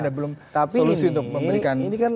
dan belum solusi untuk memberikan lapangan pekerjaan